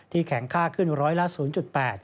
ที่แข็งค่าขึ้น๑๐๐ละ๐๘